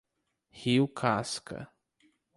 Rio Casca